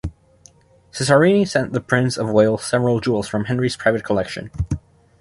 Cesarini sent the Prince of Wales several jewels from Henry's private collection.